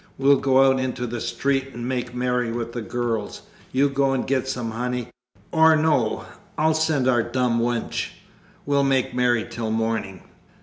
'We'll go out into the street and make merry with the girls. You go and get some honey; or no, I'll send our dumb wench. We'll make merry till morning.'